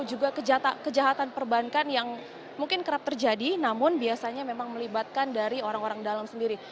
juga kejahatan perbankan yang mungkin kerap terjadi namun biasanya memang melibatkan dari orang orang dalam sendiri